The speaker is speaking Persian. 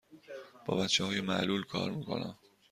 با بچه های معلول کار می کنم.